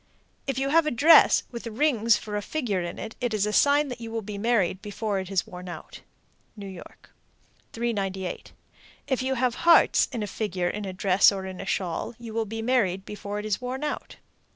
If you have a dress with rings for a figure in it, it is a sign you will be married before it is worn out. New York. 398. If you have hearts in a figure in a dress or in a shawl, you will be married before it is worn out.